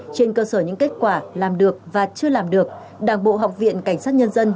trên cơ sở những kết quả làm được và chưa làm được đảng bộ học viện cảnh sát nhân dân